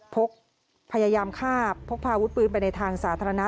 พกพยายามฆ่าพกพาอาวุธปืนไปในทางสาธารณะ